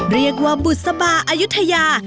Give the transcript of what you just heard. เรียกว่าบุษบาอายุทยา